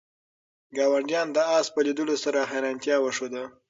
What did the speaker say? ګاونډیانو د آس په لیدلو سره حیرانتیا وښوده.